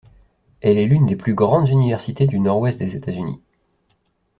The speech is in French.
Elle est l'une des plus grandes universités du Nord-Ouest des États-Unis.